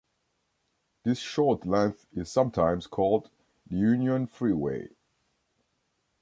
This short length is sometimes called the Union Freeway.